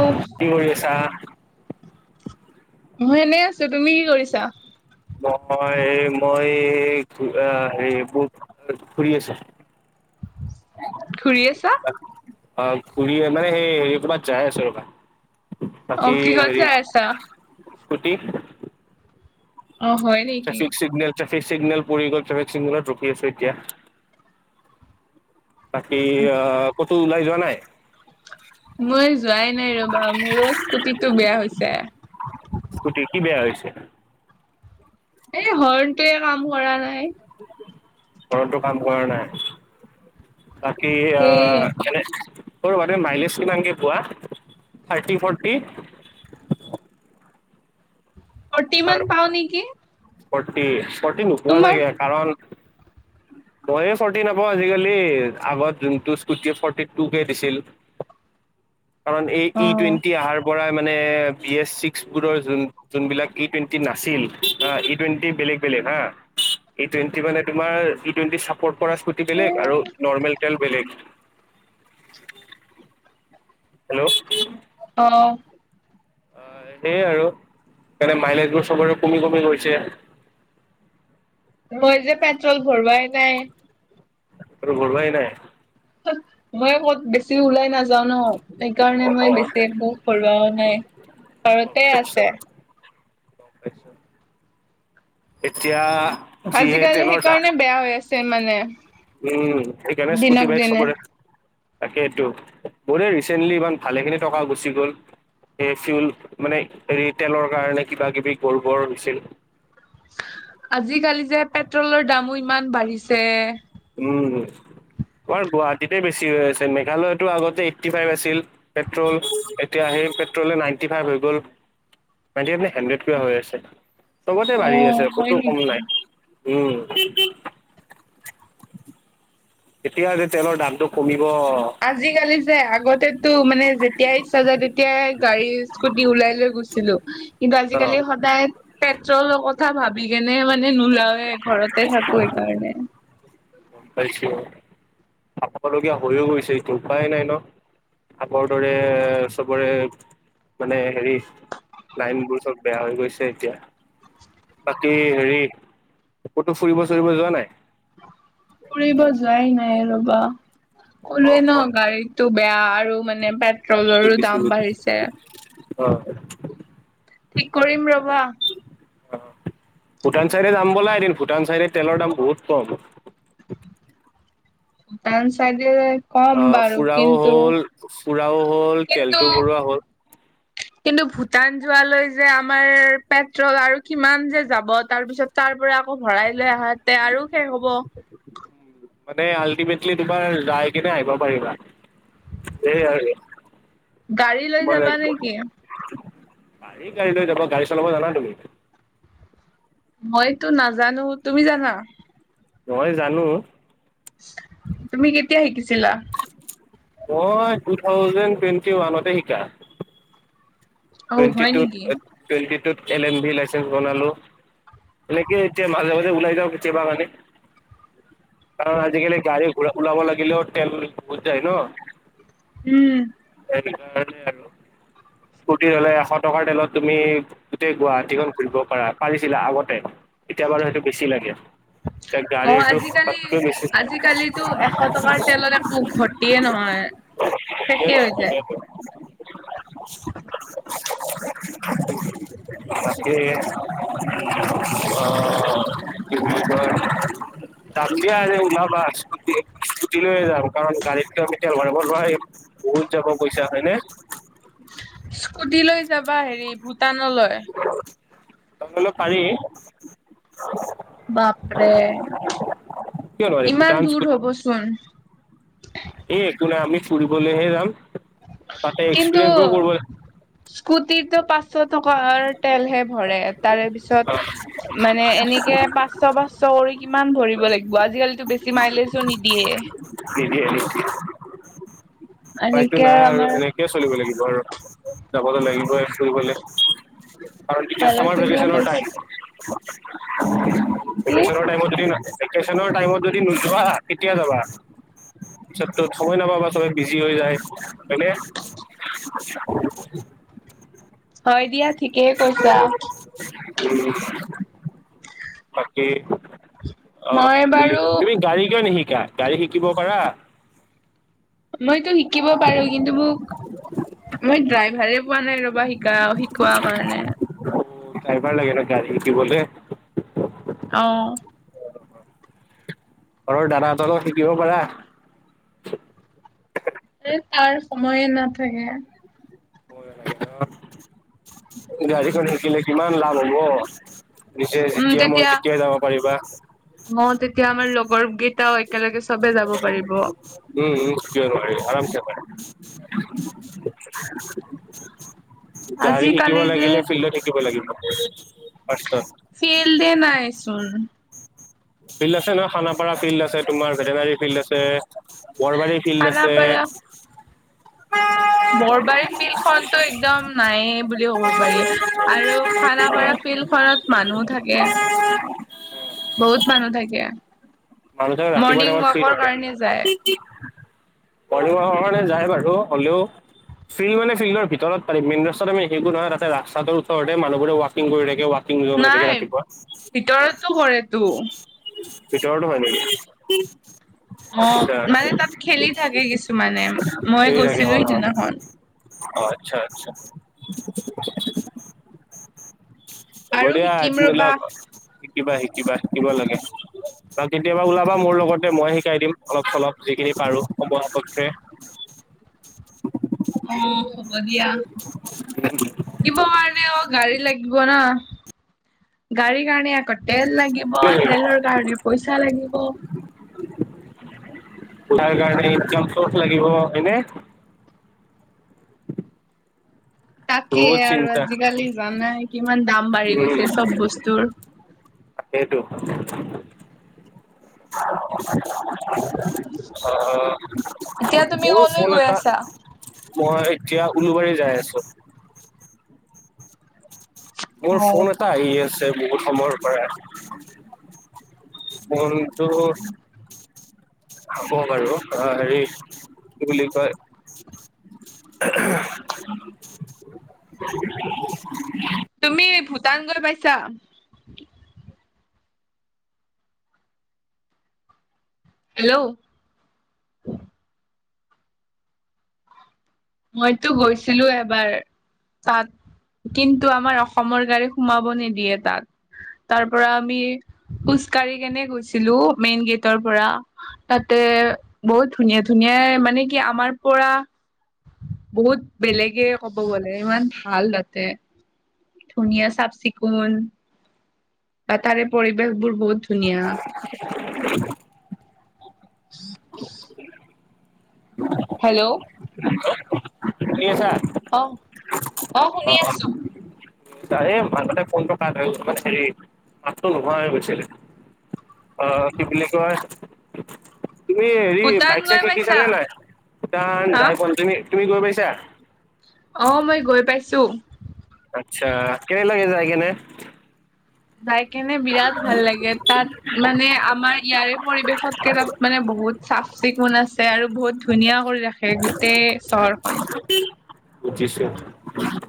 অ' কি কৰি আছা? মই এনেই আছো। তুমি কি কৰিছা? মই মই হেৰি বহুত ঘুৰি আছো। [inaudible] ঘূৰি আছা? অ ঘুৰি মানে সেই এই কবাত যায় আছো ৰবা। অ বাকী কিহত হেৰি যাই আছা? স্কুটি। অ হয় নেকি। ট্ৰেফিক চিগনেল ট্ৰেফিক চিগনেল পৰি গ'ল ট্ৰেফিক চিগনেলত ৰখি আছো এতিয়া। বাকী আহ ক'তো ওলাই যোৱা নাই? মই যোৱাই নাই ৰবা, মোৰো স্কুটিটো বেয়া হৈছে। স্কুটিৰ কি বেয়া হয় হৈছে? এই হৰ্ণটয়ে কাম কৰা নাই। হৰ্ণটো কাম কৰা নাই। বাকী সেই কেনে মানে মাইলেজ কিমানকে পোৱা থাৰ্টি-ফৰ্টি? ফৰ্টি মান পাওঁ নেকি। ফৰ্তি, ফৰ্তি নোপোৱা তোমাৰ চাগে। কাৰণ ময়ে ফৰ্তি নাপাওঁ আজিকালি আগত যোনটো স্কুটি ফৰ্তি টু কে দিছিল। [inaudible] কাৰণ এই তি অ' টুৱেণ্টি আহাৰ পৰাই মানে বি এছ ছিক্সবোৰৰ যোন যোনবিলাক ই টুৱেণ্টি নাছিল হা, ই টুৱেণ্টি বেলেগ বেলেগ হা ই টুৱেণ্টি মানে তোমাৰ টুৱেন্টি চাপৰ্ট কৰা স্কুটি বেলেগ আৰু নৰ্মেল তেল বেলেগ। [inaudible] হেল্ল'। অহ। অ সেইয়ে আৰুে মাইলেজবোৰ চবৰে কমি কমি গৈছে। মই যে পেট্ৰল ভৰোৱাই নাই। পেট্ৰল ভৰোৱায়ে নাই। মই ক'ত বেছি ওলাই নাযাওঁ। জানো সেইকাৰণে অ অ মই বেছি একো ভৰোৱা নাই। গম ঘৰতে পাইছো আছে। গম [inaudible] এতিয়া যিহে আজিকালি তেলৰ দাম সেইকাৰণে বেয়া হৈ আছে মানে। উম সেইকাৰনে স্কুটি দিনক বাইক দিনে চবৰে তাকেইটো। মোৰে ৰিচেণ্টলি ইমান ভালেখিনি টকা গুচি গ'ল। এ ফিউল মানে, ৰিটলৰ কাৰণে কিবা কিবি গৰ্বৰ হৈছিল। আজিকালি চে উম। আমাৰ গুৱাহাটীতে বেছি হৈ আছে মেঘালয়তো আগতে এইট্টি ফাইভ আছিল পেট্ৰল এতিয়া আহেই এতিয়া পেট্ৰল নাইণ্টি ফাইভ হৈ গল নাইন্টি ফাইভ মানে হান্দ্ৰেদ কৈ হৈ আছে চবতে অ বাঢ়ি আছে হয় কতো কম নেকি? নাই উম এতিয়া তেলৰ দামটো কমি আজিকালি যে আগতে মানে যেতিয়াই ইচ্ছা যায় তেতিয়াই গাড়ী স্কুটি ওলাই লৈ গৈছিলো কিন্তু আজিকালি গম পেট্ৰলৰ কথা কথা ভাবি কেনে মানে নলাও এ ঘৰতে থাকো এইকাৰণে আপোনোকীয়া হৈয়ও গৈছে উপায় নাই ন আগৰ দৰে চবৰে মানে হেৰি লাইনবোৰ চব বেয়া হৈ গৈছে এতিয়া বাকী হেৰি কতো ফুৰিব চুৰিব যোৱা নাই ফুৰিব যোৱাই নাই ৰবা অ কলোৱে ন অ গাড়ীটো বেয়া আৰু মানে পেট্ৰলৰো দাম বাঢ়িছে হয় ঠিক কৰিম ৰবা অ ভূটান চাইডে যাম ব'লা এদিন ভূটান চাইডে তেলৰ দাম বহুত কম [inaudible] টাান চাইদে আহ ফুৰাও হ'ল ফুৰাও হ'ল তেলটো কিন্তু ভৰোৱা হ'ল [inaudible] কিন্তু ভূটান যোৱালৈ যে আমাৰ পেট্ৰল আৰু কিমান যে যাব তাৰপিছত তাৰ পৰা আকৌ ভৰাই লৈ আহাতে আৰু শেষ হব মানে আল্টিমেটলি তোমাৰ যাই কিনে আহিব পাৰিবা সেই গাড়ী লৈ আৰুেম যাবা এক নেকি ভ গাই ল তোব গাই চল ম জ ন তুমি মইতো নাজানো তুমি জানা নই জানো তুমি কেতিয়া শিকিছিলা মই টু থাউজেণ্ড টুৱেণ্টি ওৱানতে শিকা অ টুৱেটি হয় টত নেকি টুৱেটি টত এল এম ভ লাইচেন্ঞ্চ বনালো এনেকেতিয়া ওলাইেেইবানে কাৰণ আজিকালি গাড়ী ঘ ওলাব লাগিলেও তেেল বুত যায় ন উম আৰু ফ্তি হলে এশ টকাৰ তেলত তুমি গোটেই গুৱাহাটীখন ঘুৰিব পাৰা পাৰিছিলা আগতে এতিয়া বাৰু সেইটো বেছি লাগে এতিয়া আ অ গাড়ীৰটো আজিকালি তাতকৈ বেছি আজিকালিতো এশ টকাৰ তেলত একৌ উভতিয়ে নহয় শেষে হৈ যায় ন মাকে অ কি যাম দিয়া আজ ওলাবা্ুট স্কুটি লৈে যাম কাৰণ গাড়ীতটোোমি বহুত যাব পইচা হয়নেে স্কুট লৈ যাবা হেৰি ভূটানলৈ তল পাল বাপৰে কিয় নোৱাৰি ইমান ভূটান দূৰ স্কুট হবচোন এই একো নাই আি চুৰিবহে যাম তাতে কিন্তু এক্সপিৰিয়েঞ্চবোৰ কৰিব স্কুটিৰটোো পচ চ, কাৰ তেলহে ভৰে। তাৰে পিছত মানে এনেকে পাঁচশ, পাঁচশ কৰি কিমান ভৰিব লাগিব। আজিকালিতো বেছি মাইলেজো নিদিয়ে। পাইছো এনেকে নাই আৰু আমাৰ এনেকেই চলিব লাগিব আৰু। যাবতো লাগিবই ফুৰিব আৰু এতিয়া চ, ভালখিনিও ভেকনৰ পইচা টাইম। কি এছাইম বজৰি ন। ভ, টাইমত যদি নো যোৱা, তেতিয়া যাবা পিত তত সময় নাপাবা চবে। হৈ, যায় এনে। হয় দিয়া ঠিকেই কৈছা [inaudible] উ, বাকী অ, মই বাৰু তুমি গাড়ী কিয় নিশিকা, গাড়ী শিকিব পাৰা। মইতো শিকিব পাৰো। কিন্তু মোক মই ড্ৰাইভাৰে পোৱা নাই ৰ'বা। শিকা, শিকোৱাৰ কাৰণে। খাই পাৰ লাগে, ন, ক, কি, বে আহ। ঘৰৰ দাদাহঁতৰ অলও শিকিব পাৰা। এ তাৰ সময়ে নাথাকে। অ, আজিখন থাকিলে, কিমান লাভ হ'ব। নিজে উম যেতিয়া মন তেতিয়া তেতিয়াই যাব পাৰিবা। গৰৱ কেইটাও একেলগে চবে যাব পাৰিব। উম, উমৰি, আৰাম চে। গৰি শিকিব আজিকালি লাগিলে, যে ফিল্ডত শিকিব লাগিব। ফাৰ্ষ্টত ফেল দে, নাইচোন। ফিল্ড আছে নহয় খানাপাৰা ফিল্ড আছে। তোমাৰ ভেটেনাৰী ফিল্ড আছে। বৰবাৰী ফিল্ড আছে। খানাপাৰা বৰবাৰী ফিল্ড খনতো একদম নায়েই বুলি ক'ব পাৰি আৰু অ', খানাপাৰা ফিল্ড খনত মানুহ থাকে। [inaudible] বহুত মানুহ থাকে। মানুহবিলাক ৰাতিপুৱা মৰ্ণিং টাইমত শুই ৱাকৰ থাকে। কাৰণে যায় মৰ্নিং ৱাকৰ কাৰণে যায় বাৰু হলেও। ফিল্ড মান ফিল্ডৰ ভিতৰত পাৰি মেইন ৰাস্তাত আমি দেখো নয়, তাতে ৰাস্তাটো ওচৰতে মানুহবোৰে ৱাকিং কৰি থাকে। কিং জম হৈ থাকে নাই ৰাতিপুৱা। ভিতৰতো কৰেতো [inaudible] [inaudible] অ, আচ্ছা মানে তাত খেলি থাকে কিছুমানে মই খেলি থাকে গৈছিলো হয় হয় সিদিনাখন। অ, আচ্ছা, আচ্ছা। আৰু বঢ়িয়া, শিকিম আতিনিল ৰবা শিকিবা, শিকিবা, শিকিব লাগে, বা কেতিয়াবা ওলাবা মোৰ লগতে মই শিকাই দিম অলপ অলপ যিখিনি পাৰু সমাপক্ষে [inaudible] অ, হ'ব দিয়া কিব কাৰণে অ, গাড়ী লাগিব না। গাড়ীৰ কাৰণে এক তেল লাগিব, তেলৰ কাৰণে পইচা লাগিব। তাৰ কাৰণে কেম্ফৰ্ত লাগিব হয়নে? [inaudible] তাকে বহুত আৰু চিন্তা আজিকালি জানাই কিমান দাম বাঢ়ি উম গৈছে চব বস্তুৰ। [inaudible] সেইটো এতিয়া [unintelligible] তুমি মোৰো কলৈ ফোন গৈ এটা আছা? মই এতিয়া উলুবাৰী যাই আছো। মোৰ অ', ফোন এটা আহি আছে বহুত সময়ৰ পৰা ফোনতো। হ'ব বাৰু অ' হেৰি কি বুলি কয়। [unintelligible] তুমি ভূটান গৈ পাইছা? হেল্ল'। মইতো গৈছিলো এবাৰ। তাত, কিন্তু আমাৰ অসমৰ গাড়ী সোমাব নিদিয়ে তাত। তাৰ পৰা আমি খোজকাঢ়ি কেনে গৈছিলো, মেইন গেটৰ পৰা। তাতে বহুত ধুনীয়া ধুনীয়া মানে কি আমাৰ পৰা। বহুত বেলেগে ক'ব গ'লে ইমান ভাল তাতে। ধুনীয়া চাফ চিকুণ। বা তাৰে পৰিৱেশবোৰ বহুত ধুনীয়া। [unintelligible] [unintelligible] হেল্ল'। হেল্ল' শুনি আছা। আহ, আহ শুনি আছো। তাৰ মাজতে ফোনটো কাট মাতটো নোহোৱা হৈ গৈছিলে। আহ কি বুলি কয়। তুমি হেৰি ভূটান বাইক চাইক গৈ শিকিছা পাইছা নে নাই? ভূটান হা যাই পোৱা নাই তুমি তুমি গৈ পাইছা? চো। আচ্ছা, কেনে লাগে যায় কেনে? যাই কেনে বিৰাট ভাল লাগে, তাত মানে আমাৰ ইয়াৰে পৰিৱেশতকে তাত মানে বহুত বহুত চাফ চিকুণ আছে আৰু বহুত ধুনীয়া কৰি ৰাখে গোটেই চহৰখন। বুজিছো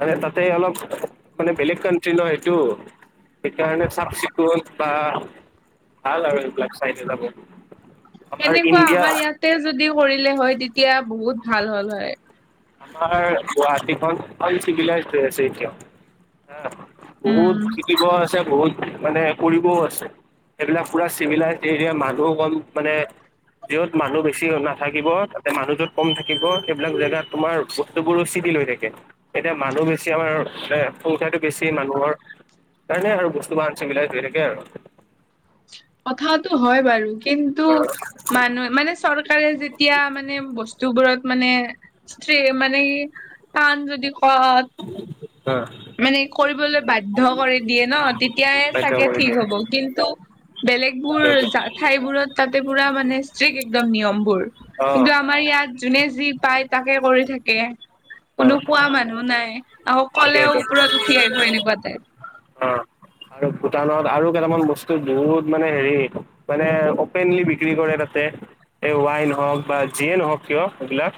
আৰে তাতে অলপ। মানে বেলেগ কান্ট্ৰি ন সেইটো। সেইকাৰণে চাফ চিকুণ বা ভাল আৰু এইবিলাক চাই ন যাব। আমাৰ তেনেকুৱা ইণ্ডিয়া আমাৰ ইয়াতে যদি কৰিলে হয়, তেতিয়া বহুত ভাল হ'ল হয়। আমাৰ গুৱাহাটীখন অনচিভিলাইজছে হৈ আছে এতিয়াও। বহুত উম শিকিব আছে, বহুত। মানে কৰিবও আছে, সেইবিলাক পোৰা চিমিলাইতিয়া মানুহ কম অ' মানে। যত মানুহ বেছি নাথাকিব, তাতে মানুহ য'ত কম থাকিব, সেইবিলাক জেগাত তোমাৰ বস্তুবোৰো চিধিল হৈ থাকে, এতিয়া মানুহ বেছি আমাৰ এ সংখ্যাটো বেছি মানুহৰ। তাৰ কাৰণে আৰু বস্তু বোৰ চিমমিলাইট হৈ থাকে আৰু। কথাতটো হয়, বাৰু। কিন্তু অ', মানুহ মানে চৰকাৰে যেতিয়া মানে বস্তুবোৰত। মানে স্ত্ৰে মানে কি টান যদি। ক [unintelligible] মানে কৰিবলৈ বাধ্য কৰি দিয়ে ন তেতিয় বাধ্য চাগে কৰি ঠিক দিয়ে হ'ব, কিন্তু। সেইটো বেলেগবোৰা ঠাইবোৰত তাতে পোৰা মানে ষ্ট্ৰিক্ট একদম নিয়মবোৰ অ', কিন্তু আমাৰ ইয়াত জোনে যি পাই। তাকে কৰি থাকে কোনো অ', কোৱা মানুহ নাই আকৌ কলেও। তাকেইটো। ৰত উঠি আহিব এনেকুৱা টাইপ। দোকানত আৰু কেইটামান বস্তু বহুত মানে হেৰি মানে অপেনলি বিক্ৰী কৰে তাতে। এই ৱাইন হওঁক বা জিয়ে নহওঁক কিয় এইবিলাক।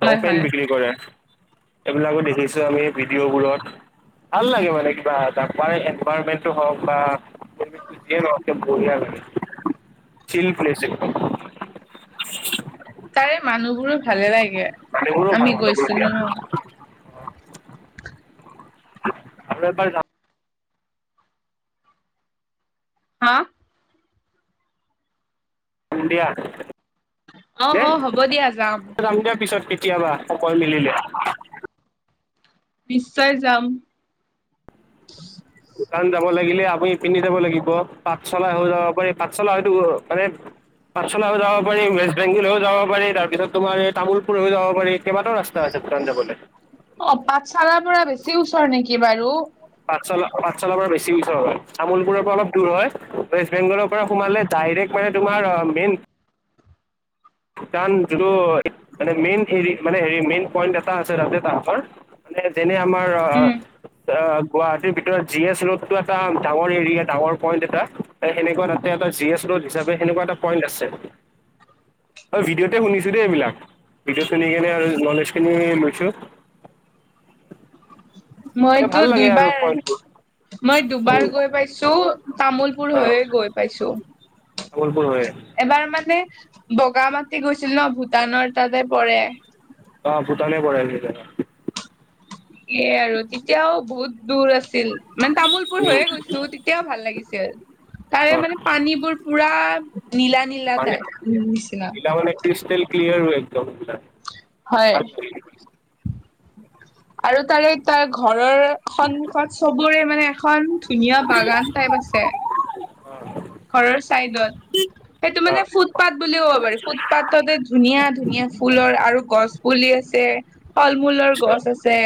টো হয় অপেন হয় বিক্ৰী কৰে, এইবিলাকো দেখিছো আমি ভিডিঅ'বোৰত। ভাল লাগে মানে কিবা তাৰ এনভাইৰমেন্টটো হওঁক বা যিয়ে নহওঁক বঢ়িয়া লাগে। চিল প্লেচ একদম। তাৰে মানুহবোৰো ভালে লাগে মানে উ আমি গৈছিলো ন আপ এপাৰ যাম হা যাম দিয়া অ দে অ হ'ব দিয়া যাম দিয়া পিছত কেতিয়াবা অকল মিলিলে নিশ্চয় যাম কাৰণ যাব লাগিলে আপুনি পিন্ধি যাব লাগিব পাট চলা হৈ যাব পাৰি পাট চলা হয়তো মানে পাছালাও যাব পাৰি ৱেষ্ট বেংগলেও যাব পাৰি তাৰপিছত তোমাৰ এই তামোুলপুৰও যাব পাৰি কেইবাটাও ৰাস্তা আছে সতঞ্জাবলে অ পাঠশালাৰ পৰা ওচৰ নেকি বাৰু পাঠশালা পাঠশালাৰ পৰা বেছি ওচৰ হয় তামুললপুৰৰ পৰা অলপ দূৰ হয় ৱেষ্ট বেংগলৰ পৰা সোমালে ডাইৰেক্ট মানে তোমাৰ মেইন টো মেই মেইন পইন্ট এটা আছে ৰা তৰ মানে যেনে আমাৰ অ', উম অ', গুৱাহাটীৰ ভিতৰত জি এছ ৰোড টো এটা ডাঙৰ এৰিয়া ডাঙৰ পইণ্ন্ট এটা সেনেকুৱা তাতে এটাি এ হি সনেকুৱা এটা পইন্ট আছে অ', ভিডিঅ'তে শুনিছো দেই এইবিলাক ভিডিঅ' শুনি কিনে আৰু নলেজ খিনি লৈছো মানে মইতো ভাল লাগে আৰু দুইবাৰ পইণ্টবোৰ মই দুবাৰ উম, গৈ পাইছো তামুলপুৰ হৈয়ে গৈ পাইছো বোল এবাৰ মানে বগা মাটি গৈছিল ন ভূটানৰ তাতে পৰে অ', তনে প়ছে ত এয় আৰু তেতিয়াও বহুত দূৰ আছে ছিল মানে তামোলপুৰ হৈয়ে উম, গৈছো তেতিয়াও ভাল লাগিছিল তাৰে অ মানে পানীবোৰ পুৰা নীলা নীলা পানী তাই নিচিনা এইবিলাক মানে ক্ৰিষ্টেল ক্লিয়াৰ হয়। [unintelligible] আৰু তাৰে তাৰ ঘৰৰ সন্মুখত চবোৰে মানে এখন ধুনীয়া বাগান টাইপ আছে ঘৰৰ চাইদত সেইটো মানে ফুটপাথ বুলিও ক'ব পাৰি ফুটপাথতে ধুনীয়া ধুনীয়া ফুলৰ আৰু গছ পুলি আছে ফল মূলৰ গছ আছে